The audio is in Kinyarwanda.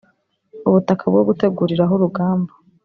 ubutaka bwo guteguriraho urugamba